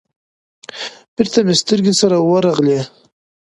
بېرته مې سترگې سره ورغلې.